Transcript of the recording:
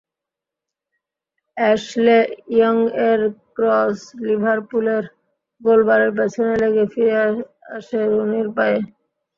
Ashley ইয়ংয়ের cross লিভারপুলের গোলবারের পেছনে লেগে ফিরে আসে রুনির পায়ে।